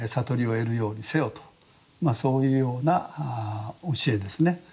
まあそういうような教えですね。